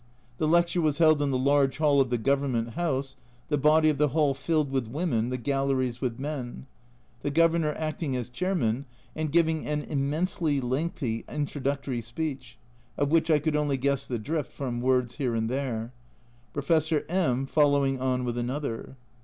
The lecture was held in the large hall of the Government House, the body of the hall filled with women, the galleries with men ; the Governor acting as chairman and giving an immensely lengthy intro ductory speech, of which I could only guess the drift from words here and there, Professor My following on with another.